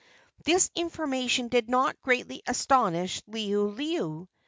This information did not greatly astonish Liholiho.